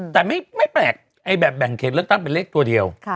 แต่ไม่แปลกแบบแบ่งเขตเลือกตั้งเป็นเลขตัวเดียว